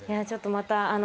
ちょっとまた。